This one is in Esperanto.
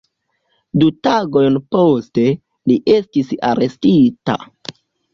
Du tagojn poste, li estis arestita.